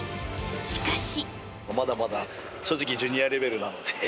［しかし］